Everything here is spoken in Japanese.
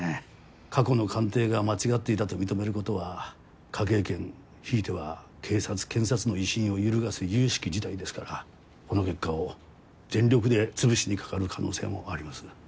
過去の鑑定が間違っていたと認めることは科警研ひいては警察検察の威信を揺るがすゆゆしき事態ですからこの結果を全力で潰しにかかる可能性もあります。